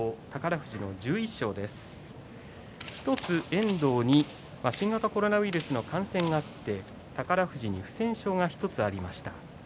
遠藤に新型コロナウイルスの感染があって宝富士に不戦勝が１つありました。